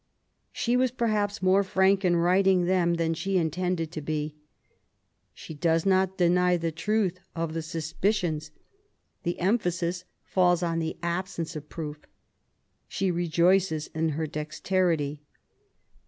She was perhaps more frank in writing them than she intended to be. She does not deny the truth of the suspicions : the emphasis falls on the absence of proof; she rejoices in her dexterity.